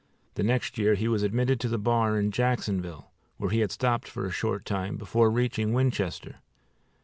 The next year he was admitted to the bar in Jacksonville, where he had stopped for a short time, before reaching Winchester.